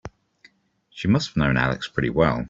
She must have known Alex pretty well.